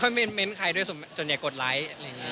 ผมไม่ค่อยเม้นเม้นใครด้วยจนอย่ากดไลค์อะไรอย่างนี้